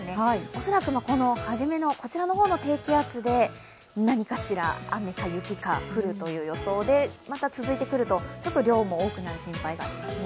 恐らく初めの低気圧で何かしら、雨か雪が降る予想で、また続いてくるとちょっと量も多くなる心配がありますね。